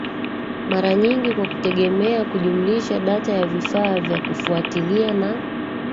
mara nyingi kwa kutegemea kujumlisha data ya vifaa vya kufuatilia na